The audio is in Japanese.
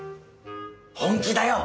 本気だよ！